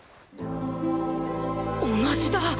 同じだ！